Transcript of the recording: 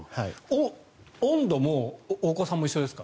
温度もお子さんも一緒ですか？